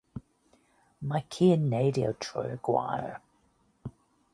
Mae ci yn neidio trwy'r gwair